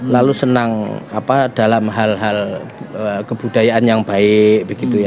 lalu senang dalam hal hal kebudayaan yang baik